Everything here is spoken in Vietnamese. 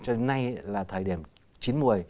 cho đến nay là thời điểm chín mùa